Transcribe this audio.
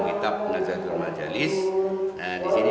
kitab salaf nazatul majalis oleh syekh abdul rahman ash shufuri ash shafi'i